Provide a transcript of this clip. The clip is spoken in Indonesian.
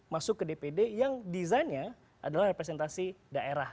masuk ke dpd yang desainnya adalah representasi daerah